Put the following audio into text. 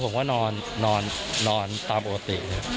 ผมก็นอนนอนตามโอปุติ